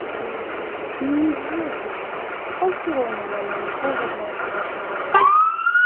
І іх гэтулькі, а ўсё роўна няма нікога з нашага краю.